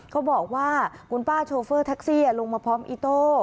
เขาบอกว่าคุณป้าโชเฟอร์แท็กซี่ลงมาพร้อมอิโต้